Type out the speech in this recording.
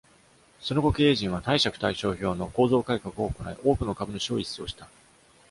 その後、経営陣は貸借対照表の構造改革を行い、多くの株主を一掃した。